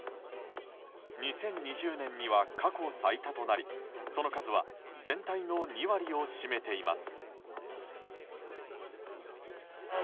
２０２０年には過去最多となりその数は全体の２割を占めています。